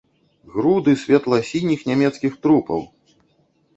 Груды светла-сініх нямецкіх трупаў!